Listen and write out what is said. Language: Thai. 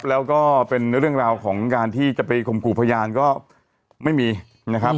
แล้วก็เป็นเรื่องราวของการที่จะไปข่มขู่พยานก็ไม่มีนะครับ